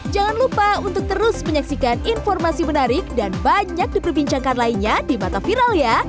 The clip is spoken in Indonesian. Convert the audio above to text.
jangan lupa untuk terus menyaksikan informasi menarik dan banyak diperbincangkan lainnya di mata viral ya